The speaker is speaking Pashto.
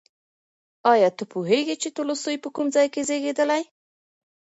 ایا ته پوهېږې چې تولستوی په کوم ځای کې زېږېدلی؟